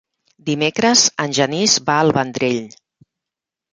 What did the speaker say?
Dimecres en Genís va al Vendrell.